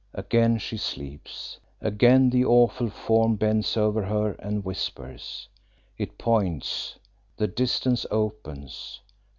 Again she sleeps, again the awful form bends over her and whispers. It points, the distance opens.